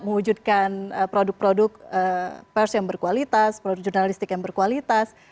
mewujudkan produk produk pers yang berkualitas produk jurnalistik yang berkualitas